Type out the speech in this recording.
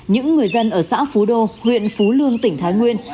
những người dân ở xã phú đô huyện phú lương tỉnh thái nguyên